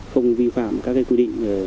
không vi phạm các cái quy định